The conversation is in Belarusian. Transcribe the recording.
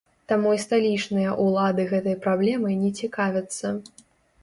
Таму і сталічныя ўлады гэтай праблемай не цікавяцца.